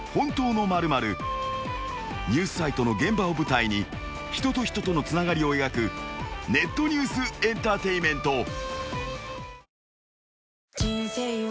［ニュースサイトの現場を舞台に人と人とのつながりを描くネットニュースエンターテインメント］